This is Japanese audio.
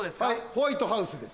ホワイトハウスです。